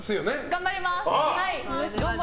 頑張ります！